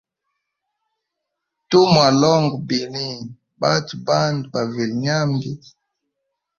Tumwalonga bini batwe bandu bavilye nyambi.